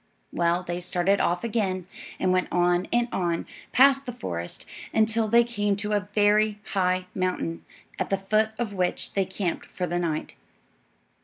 Well, they started off again, and went on and on, past the forest, until they came to a very high mountain, at the foot of which they camped for the night.